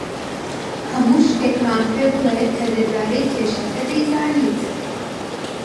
هەموو شتێکمان پێ بڵێ کە دەربارەی کێشەکە دەیزانیت.